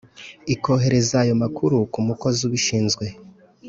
ikohereza ayo makuru ku mukozi ubishinzwe